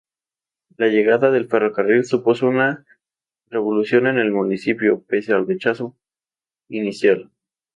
La llegada del ferrocarril supuso una revolución en el municipio, pese al rechazo inicial.